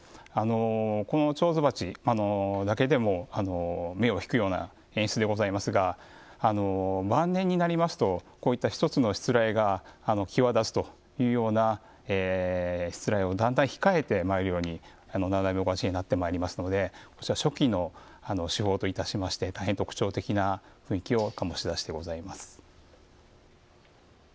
このちょうず鉢だけでも目を引くような演出でございますが晩年になりますとこういった一つのしつらえが際立つというようなしつらえをだんだん控えてまいるように７代目はなってまいりますのでこちら初期の手法といたしまして大変特徴的な雰囲気を醸し出してございます。